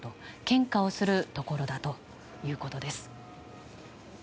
献花をするところだということです。